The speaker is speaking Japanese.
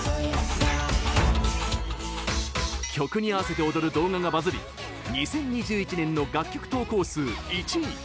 曲に合わせて踊る動画がバズり２０２１年の楽曲投稿数１位。